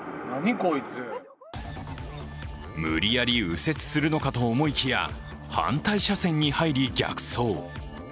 無理やり右折するのかと思いきや反対車線に入り逆走。